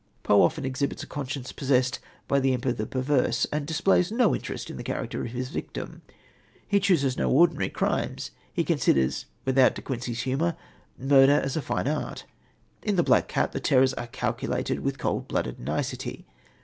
Poe often exhibits a conscience possessed by the imp of the perverse, and displays no interest in the character of his victim. He chooses no ordinary crimes. He considers, without De Quincey's humour, murder as a fine art. In The Black Cat the terrors are calculated with cold blooded nicety.